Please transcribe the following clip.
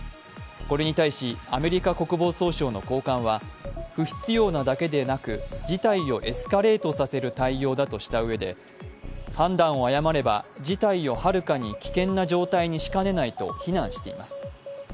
これに対し、アメリカ国防総省の高官は不必要なだけでなく事態をエスカレートさせる対応だとしたうえで判断を誤れば事態をはるかに危険な状態にしかねないと非難しています。